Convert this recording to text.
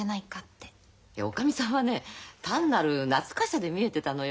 いやおかみさんはね単なる懐かしさで見えてたのよ。